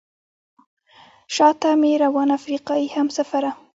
شاته مې روانه افریقایي همسفره.